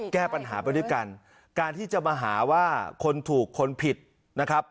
แก้ปัญหาไปด้วยกันการที่จะมาหาว่าคนถูกคนผิดนะครับ